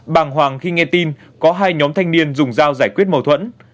bàng hoàng khi nghe tin có hai nhóm thanh niên dùng dao giải quyết mâu thuẫn